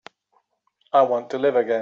I want to live again.